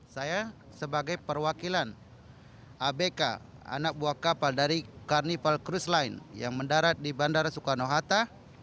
saya sebagai perwakilan abk anak buah kapal dari carnival crudes line yang mendarat di bandara soekarno hatta